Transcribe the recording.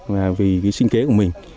và vì sinh kế của mình